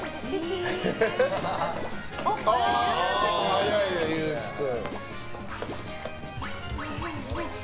速いね、ゆうき君。